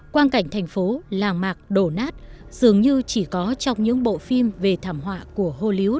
quan cảnh thành phố làng mạc đổ nát dường như chỉ có trong những bộ phim về thảm họa của hô liếu